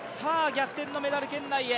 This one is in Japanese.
逆転のメダル圏内へ。